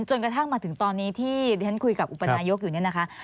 จนกระทั่งมาถึงตอนนี้ที่ฉันคุยกับอุปนายกอยู่เนี่ยนะคะ